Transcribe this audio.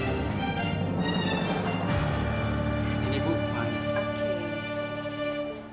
ini bupan fakih